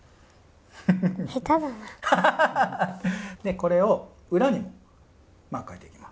これを裏にもかいていきます。